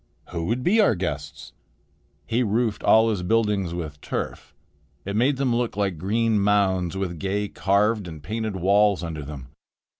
"Who would be our guests?" He roofed all his buildings with turf. It made them look like green mounds with gay carved and painted walls under them.